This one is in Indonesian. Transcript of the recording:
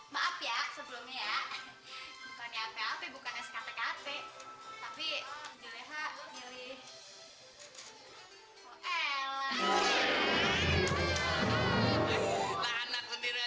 maaf ya sebelumnya